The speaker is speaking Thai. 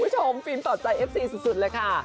ฟินต่อใจเอฟซีสุดเลยค่ะ